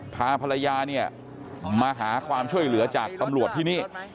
พาภรรยาเนี่ยมาหาความช่วยเหลือจากตำรวจที่นี่